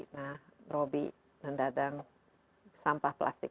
nah robby dan dadang sampah plastik